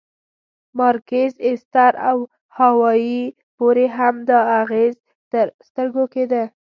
مارکیز، ایستر او هاوایي پورې هم دا اغېز تر سترګو کېده.